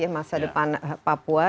masa depan papua